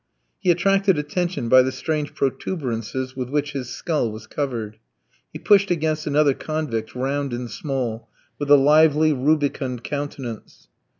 He attracted attention by the strange protuberances with which his skull was covered. He pushed against another convict round and small, with a lively rubicund countenance.